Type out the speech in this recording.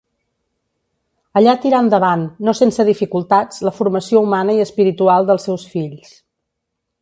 Allà tirà endavant, no sense dificultats, la formació humana i espiritual dels seus fills.